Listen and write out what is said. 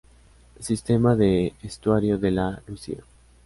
Sistema de estuario de la Lucia.